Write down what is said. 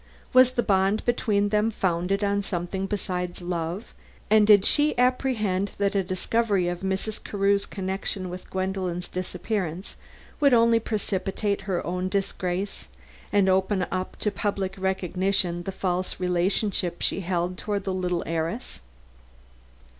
Was the bond between them founded on something besides love, and did she apprehend that a discovery of Mrs. Carew's connection with Gwendolen's disappearance would only precipitate her own disgrace and open up to public recognition the false relationship she held toward the little heiress?